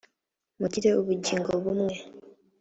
mugire ubugingo bumwe